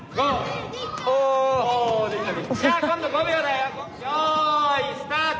よいスタート！